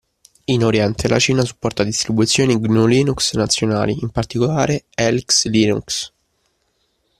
In Oriente, la Cina supporta distribuzioni GNU/Linux nazionali, in particolare Elx Linux.